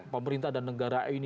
pemerintah dan negara ini